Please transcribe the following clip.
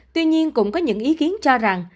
tuy nhiên cũng có những ý kiến cho rằng